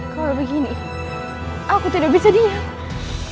kalau begini aku tidak bisa diam